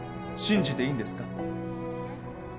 信じていいんですか？